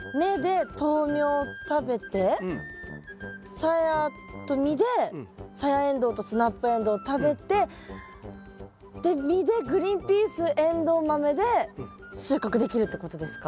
サヤと実でサヤエンドウとスナップエンドウを食べてで実でグリーンピースエンドウ豆で収穫できるってことですか？